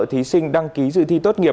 thí sinh đăng ký dự thi tốt nghiệp